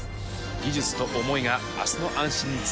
技術と思いが明日の安心につながっていく。